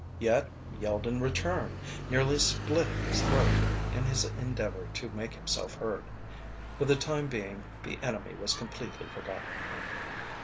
Yet he yelled in return, nearly splitting his throat in his endeavor to make himself heard. For the time being the enemy was completely forgotten.